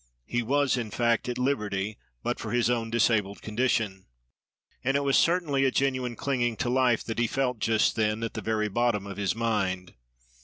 He was, in fact, at liberty, but for his own disabled condition. And it was certainly a genuine clinging to life that he felt just then, at the very bottom of his mind.